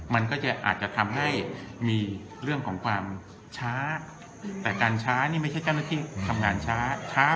มันก็จะอาจจะทำให้มีเรื่องของความช้าแต่การช้านี่ไม่ใช่เจ้าหน้าที่ทำงานช้าช้า